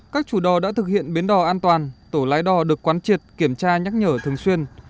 các chủ đò đã thực hiện biến đò an toàn tổ lái đò được quán triệt kiểm tra nhắc nhở thường xuyên